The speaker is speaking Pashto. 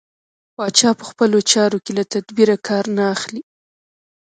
پاچا په خپلو چارو کې له تدبېره کار نه اخلي.